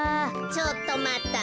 「ちょっとまった！